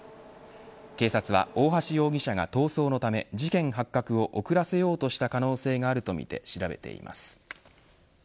警察は、大橋容疑者が逃走のため事件発覚を遅らせようとした可能性があるとみて調べています。